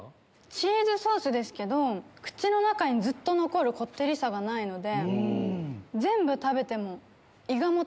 チーズソースですけど口にずっと残るこってりさがないので。